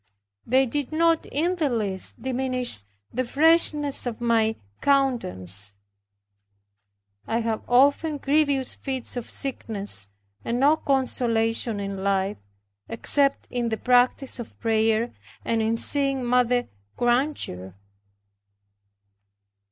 They did not in the least diminish the freshness of my countenance. I had often grievous fits of sickness and no consolation in life, except in the practice of prayer, and in seeing Mother Granger.